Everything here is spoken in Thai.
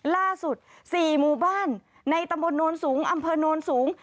ล่าสุด๔หมู่บ้านในตำบลโนนสูงอำเภอโนนสูง